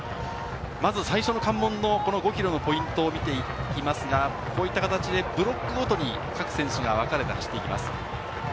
まず最初の関門の５ｋｍのポイントを見ていきますが、こういった形でブロックごとに各選手がわかれて走っていきます。